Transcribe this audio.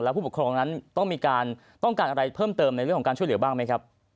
ผู้ปกครองนั้นต้องมีการต้องการอะไรเพิ่มเติมในเรื่องของการช่วยเหลือบ้างไหมครับ